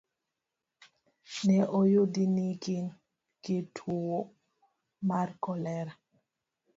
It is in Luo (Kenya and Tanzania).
Ne oyudi ni gin gi tuwo mar kolera.